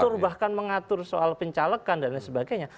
dia mengatur bahkan mengatur soal pencalekan dan lain sebagainya